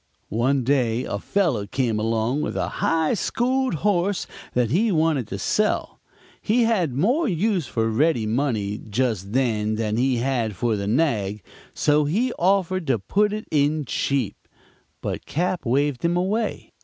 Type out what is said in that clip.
"One day a fellow came along with a high schooled horse that he wanted to sell. He had more use for ready money just then than he had for the nag, so he offered to put it in cheap. But Cap. waved him away.